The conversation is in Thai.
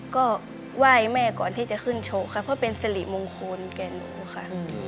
ก็ไหว้แม่ก่อนที่จะขึ้นโชว์ค่ะเพื่อเป็นสิริมงคลแก่หนูค่ะ